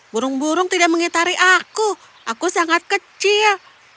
burung burung tidak mengitari aku aku sangat kecil